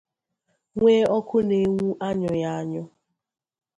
nwee ọkụ na-enwu anyụghị anyụ